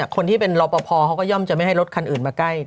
คนที่เป็นรอปภเขาก็ย่อมจะไม่ให้รถคันอื่นมาใกล้